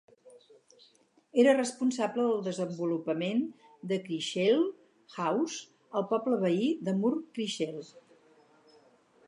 Era responsable del desenvolupament de Crichel House al poble veí de Moor Crichel.